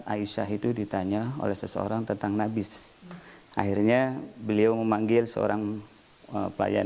aisyah itu ditanya oleh seseorang tentang nabis akhirnya beliau memanggil seorang pelayan